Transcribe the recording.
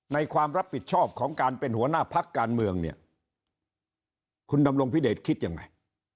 ความรับผิดชอบของการเป็นหัวหน้าพักการเมืองเนี่ยคุณดำรงพิเดชคิดยังไง